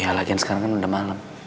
iya lagi sekarang kan udah malam